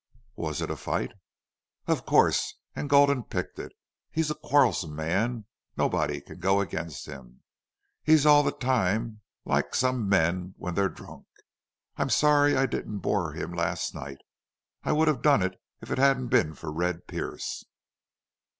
"Was it a fight?" "Of course. And Gulden picked it. He's a quarrelsome man. Nobody can go against him. He's all the time like some men when they're drunk. I'm sorry I didn't bore him last night. I would have done it if it hadn't been for Red Pearce."